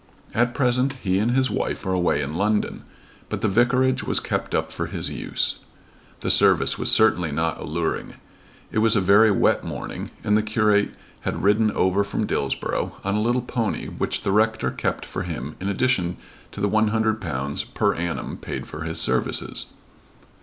At present he and his wife were away in London, but the vicarage was kept up for his use. The service was certainly not alluring. It was a very wet morning and the curate had ridden over from Dillsborough on a little pony which the rector kept for him in addition to the £100 per annum paid for his services.